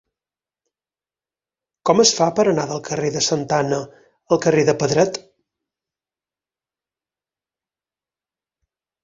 Com es fa per anar del carrer de Santa Anna al carrer de Pedret?